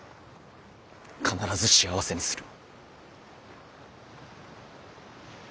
必ず幸せにする。